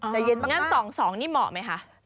ใจเย็นมากคุณแม่มิ้นงั้น๒๒นี่เหมาะไหมคะ